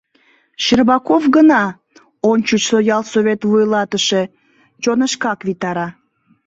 Щербаков гына, ончычсо ялсовет вуйлатыше, чонышкак витара.